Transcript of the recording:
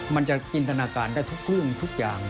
มันจะจินตนาการได้ทุกเรื่องทุกอย่าง